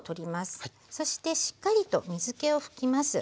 そしてしっかりと水けを拭きます。